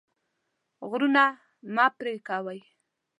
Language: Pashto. غرونه مه پرې کوئ.